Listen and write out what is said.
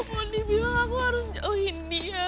akuny bilang aku harus jauhin dia